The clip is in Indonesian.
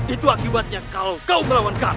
itu akibatnya kalau kau melawan kami